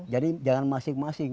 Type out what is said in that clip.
jadi jangan masing masing